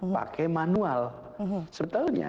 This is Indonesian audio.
pakai manual sebetulnya